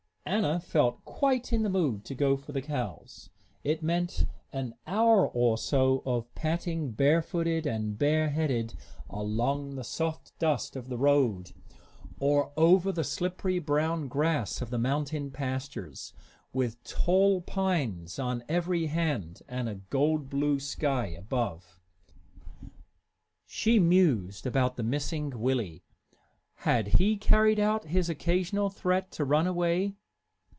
Anna felt quite in the mood to go for the cows. It meant an hour or so of patting barefooted and bare headed along the soft dust of the road, or over the slippery brown grass of the mountain pastures, with tall pines on every hand and a gold blue sky above. She mused about the missing Willie. Had he carried out his occasional threat to run away?